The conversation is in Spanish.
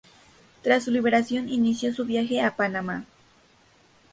Tras su liberación, inició su viaje a Panamá.